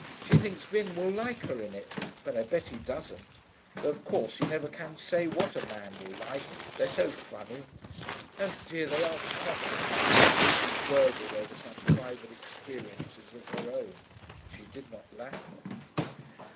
She thinks Vin will like her in it, but I bet he doesn't. Though, of course, you never can say what a man will like, they're so funny. Oh dear, they are comic!' Evie gurgled over some private experiences of her own: she did not lack them.